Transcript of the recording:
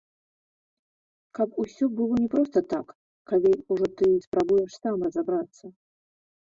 Каб усё было не проста так, калі ўжо ты спрабуеш сам разабрацца.